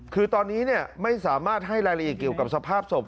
คือตอนนี้ไม่สามารถให้รายละเอียดเกี่ยวกับสภาพศพ